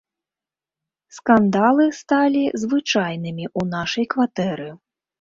Скандалы сталі звычайнымі ў нашай кватэры.